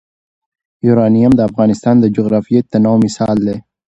یورانیم د افغانستان د جغرافیوي تنوع مثال دی.